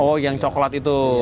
oh yang coklat itu